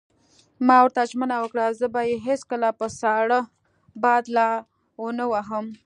ما ورته ژمنه وکړه: زه به یې هېڅکله په ساړه باد لا ونه وهم.